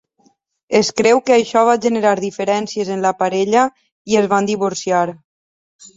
Es creu que això va generar diferències en la parella i es van divorciar.